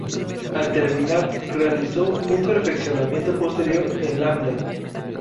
Al terminar realizó un perfeccionamiento posterior en Lamda.